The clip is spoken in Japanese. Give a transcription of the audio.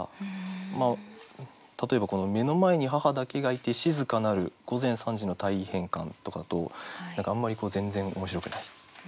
例えば「目の前に母だけがゐて静かなる午前三時の体位変換」とかだとあんまり全然面白くない。